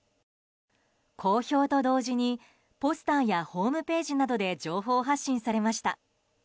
公表と同時にポスターやホームページなどで情報発信されました。